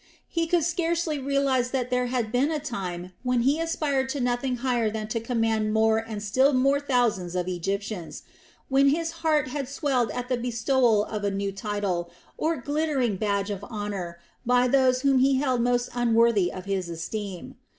He could scarcely realize that there had been a time when he aspired to nothing higher than to command more and still more thousands of Egyptians, when his heart had swelled at the bestowal of a new title or glittering badge of honor by those whom he held most unworthy of his esteem.